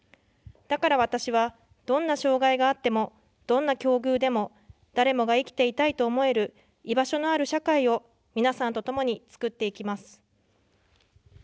だから私は、どんな障害があっても、どんな境遇でも、誰もが生きていたいと思える居場所のある社会を皆さんとともに作っていきます。